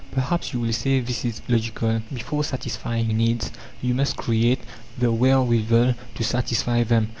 Perhaps you will say this is logical. Before satisfying needs you must create the wherewithal to satisfy them.